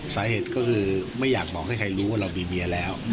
สาเหตุก็คือไม่อยากบอกให้ใครรู้ว่าเรามีเมียแล้ว